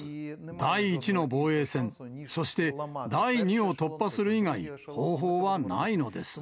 第１の防衛線、そして第２を突破する以外、方法はないのです。